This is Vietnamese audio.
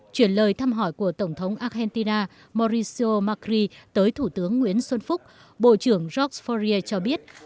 chuyển lời thăm hỏi của tổng thống argentina mauricio macri tới thủ tướng nguyễn xuân phúc bộ trưởng george forris cho biết